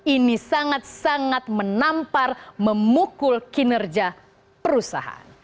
ini sangat sangat menampar memukul kinerja perusahaan